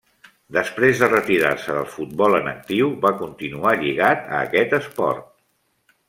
Després de retirar-se del futbol en actiu va continuar lligat a aquest esport.